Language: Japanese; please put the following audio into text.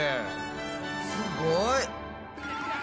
すごいね。